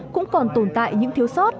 cũng còn tồn tại những thiếu sót